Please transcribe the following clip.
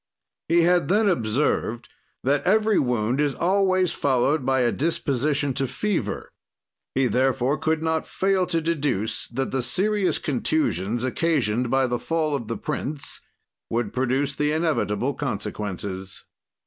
"He had then observed that every wound is always followed by a disposition to fever; he therefore could not fail to deduce that the serious contusions occasioned by the fall of the prince would produce the inevitable consequences.